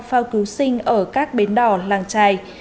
phao cứu sinh ở các bến đỏ làng trài